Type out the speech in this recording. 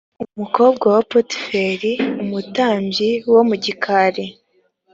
umukobwa wa potifera umutambyi wo mu gikari